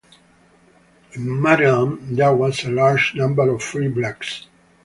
In Maryland there was a large number of free blacks.